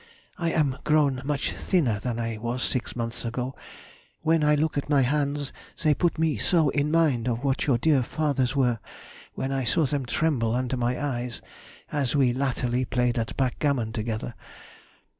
I am grown much thinner than I was six months ago; when I look at my hands they put me so in mind of what your dear father's were, when I saw them tremble under my eyes, as we latterly played at backgammon together.